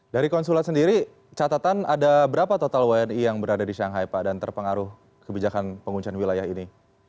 dari konsulat sendiri catatan ada berapa total wni yang berada di shanghai pak dan terpengaruh kebijakan penguncian wilayah ini